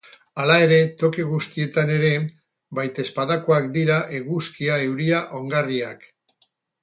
Hala ere, toki guztietan ere baitezpadakoak dira eguzkia, euria, ongarriak...